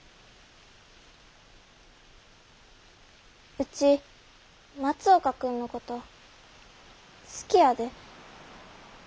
ウチ松岡君のこと好きやで。